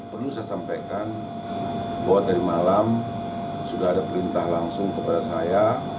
perlu saya sampaikan bahwa tadi malam sudah ada perintah langsung kepada saya